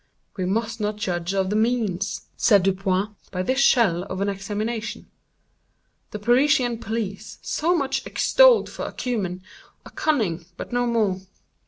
"We must not judge of the means," said Dupin, "by this shell of an examination. The Parisian police, so much extolled for acumen, are cunning, but no more.